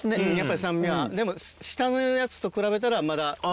でも下のやつと比べたらまだ。